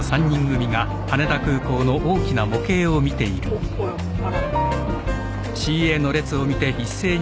おっおいっあれ！